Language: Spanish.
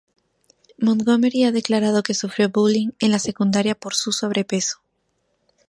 Montgomery ha declarado que sufrió bullying en la secundaria por su sobrepeso.